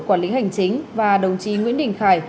quản lý hành chính và đồng chí nguyễn đình khải